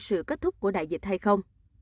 sự kết thúc của đại dịch hay không